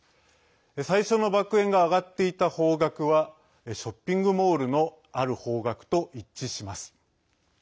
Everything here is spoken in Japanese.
最初の爆煙が上がっていた方角はショッピングモールのある方角と一致します。